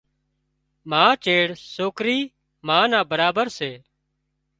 ما چيڙ سوڪرِي ما نا برابر سي